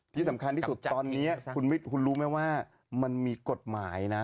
ที่สำคัญที่สุดตอนนี้คุณรู้ไหมว่ามันมีกฎหมายนะ